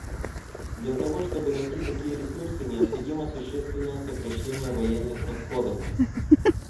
Для того, чтобы найти такие ресурсы, необходимо существенное сокращение военных расходов.